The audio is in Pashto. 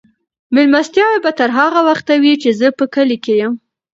مېلمستیاوې به تر هغه وخته وي چې زه په کلي کې یم.